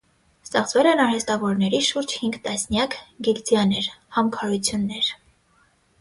Ստեղծվել են արհեստավորների շուրջ հինգ տասնյակ գիլդիաներ (համքարություններ)։